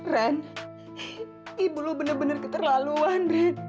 ren ibu lo bener bener keterlaluan ren